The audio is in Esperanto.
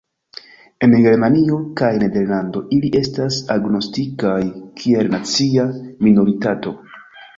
En Germanio kaj Nederlando ili estas agnoskitaj kiel nacia minoritato.